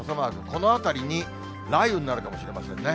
このあたりに雷雨になるかもしれませんね。